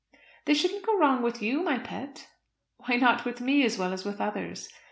"They shouldn't go wrong with you, my pet." "Why not with me as well as with others?"